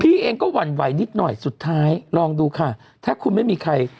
พี่เองก็หวั่นไหวนิดหน่อยสุดท้ายลองดูค่ะถ้าคุณไม่มีใคร